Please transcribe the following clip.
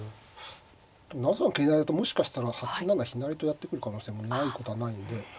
７三桂成ともしかしたら８七飛成とやってくる可能性もないことはないんで。